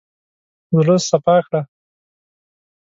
زړه سپا کړه.